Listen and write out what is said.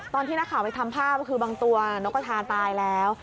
ตอนที่นักข่าวไปทำภาพคือบางตัวนกกระทาตายแล้ว